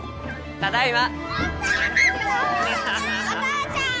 ただいま。